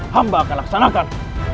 hamba akan laksanakan